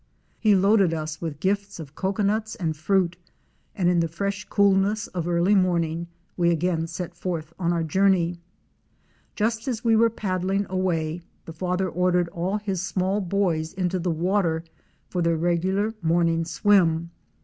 He loaded us with gifts of cocoanuts and fruit and in the fresh coolness of early morning we again set forth on our journey. Just as we were paddling away, the Father ordered all his small boys into the water for their regular morning swim.